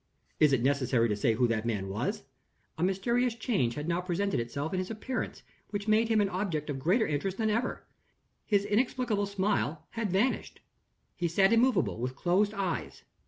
Is it necessary to say who that man was? A mysterious change had now presented itself in his appearance, which made him an object of greater interest than ever. His inexplicable smile had vanished. He sat immovable, with closed eyes.